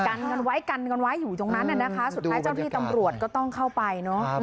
กันกันไว้อยู่ตรงนั้นนะคะสุดท้ายเจ้าที่ตำรวจก็ต้องเข้าไป